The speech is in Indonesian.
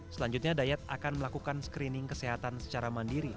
selanjutnya dayat akan melakukan screening kesehatan secara mandiri